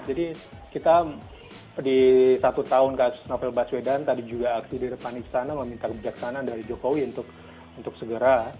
jadi kita di satu tahun kasus novel baswedan tadi juga aksir dari pak nikitana meminta kebijaksanaan dari jokowi untuk segera